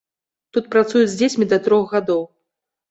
Тут працуюць з дзецьмі да трох гадоў.